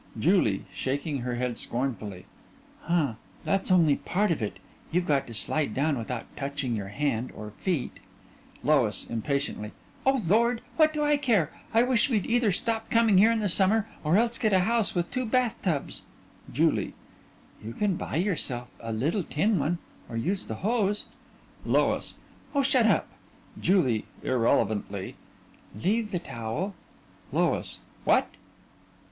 JULIE: (Shaking her head scornfully) Huh! That's only part of it. You've got to slide down without touching your hand or feet LOIS:(Impatiently) Oh, Lord! What do I care? I wish we'd either stop coming here in the summer or else get a house with two bath tubs. JULIE: You can buy yourself a little tin one, or use the hose LOIS: Oh, shut up! JULIE: (Irrelevantly) Leave the towel. LOIS: What?